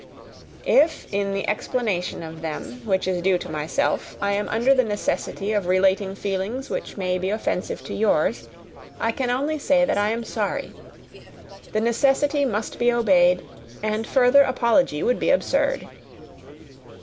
If, in the explanation of them which is due to myself, I am under the necessity of relating feelings which may be offensive to yours, I can only say that I am sorry. The necessity must be obeyed, and further apology would be absurd.